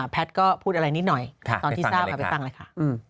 แพทย์ก็พูดอะไรนิดหน่อยตอนที่ทราบเอาไปฟังเลยค่ะ